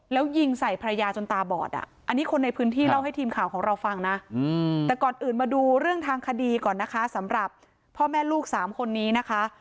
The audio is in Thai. แล้วยิงใส่ภรรยาจนตาบอดอ่ะอันนี้คนในพื้นที่เล่าให้ทีมข่าวของเราฟังนะแต่ก่อนอื่นมาดูเรื่องทางคดีก่อนนะคะสำหรับพ่อแม่ลูกสามคนนี้นะคะ